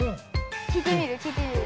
聞いてみる聞いてみる。